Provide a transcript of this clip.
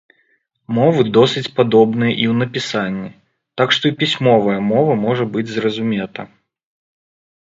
Мовы досыць падобныя і ў напісанні, так што і пісьмовая мова можа быць зразумета.